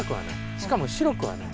しかも白くはない。